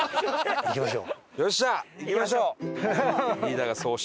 行きましょう。